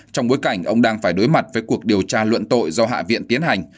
trong bối cảnh ông đang phải đối mặt với cuộc điều tra luận tội do hạ viện tiến hành